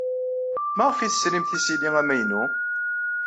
Maɣef ay tesrimt isili amaynu?